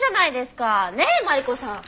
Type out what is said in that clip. ねえマリコさん。